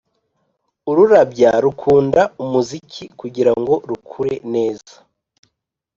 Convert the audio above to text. ururabya rukunda umuziki kugirango rukure neza